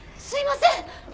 すいません。